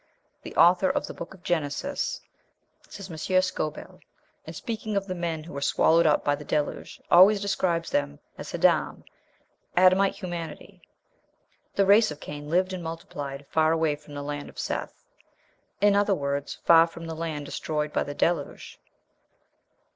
"The author of the Book of Genesis," says M. Schoebel, "in speaking of the men who were swallowed up by the Deluge, always describes them as 'Haadam,' 'Adamite humanity.'" The race of Cain lived and multiplied far away from the land of Seth; in other words, far from the land destroyed by the Deluge.